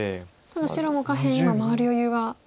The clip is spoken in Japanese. ただ白も下辺今回る余裕は。